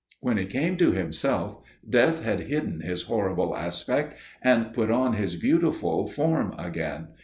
When he came to himself, Death had hidden his terrible aspect and put on his beautiful form again.